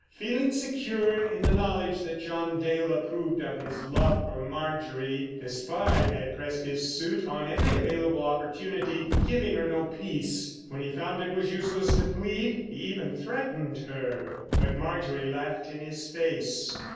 Feeling secure in the knowledge that John Dale approved of his love for Marjorie, Despard had pressed his suit on every available opportunity, giving her no peace. When he found it was useless to plead, he even threatened her. But Marjorie laughed in his face.